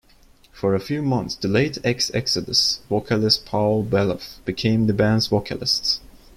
For a few months the late ex-Exodus vocalist Paul Baloff became the band's vocalist.